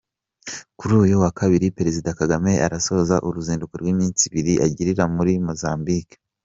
Kuri uyu wa kabiri Perezida Kagame arasoza uruzinduko rw’iminsi ibiri agirira muri Mozambique.